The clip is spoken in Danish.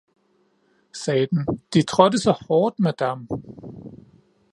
sagde den, De trådte så hårdt, madame!